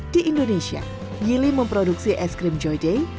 di indonesia yili memproduksi es krim joy day